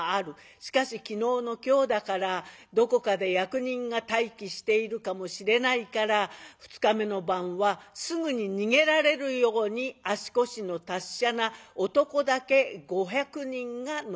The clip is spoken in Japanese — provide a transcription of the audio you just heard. しかし昨日の今日だからどこかで役人が待機しているかもしれないから２日目の晩はすぐに逃げられるように足腰の達者な男だけ５００人が登ったということでございます。